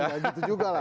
gak gitu juga lah